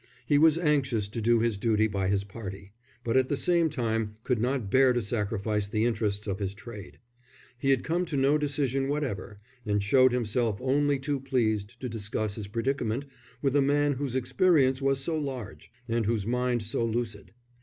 He was anxious to do his duty by his party, but at the same time could not bear to sacrifice the interests of his trade. He had come to no decision whatever, and showed himself only too pleased to discuss his predicament with a man whose experience was so large, and whose mind so lucid.